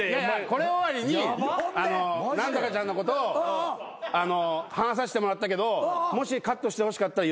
これ終わりに何とかちゃんのことを話させてもらったけどもしカットしてほしかったら言ってって。